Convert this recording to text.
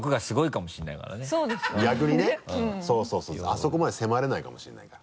あそこまで迫れないかもしれないから。